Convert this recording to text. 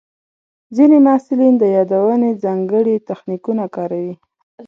ځینې محصلین د یادونې ځانګړي تخنیکونه کاروي.